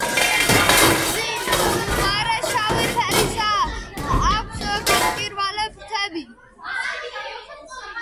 მბზინვარე შავი ფერისაა, აქვს გამჭვირვალე ფრთები.